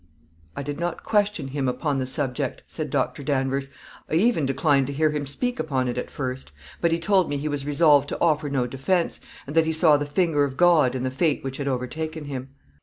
"I did not question him upon the subject," said Doctor Danvers; "I even declined to hear him speak upon it at first; but he told me he was resolved to offer no defense, and that he saw the finger of God in the fate which had overtaken him."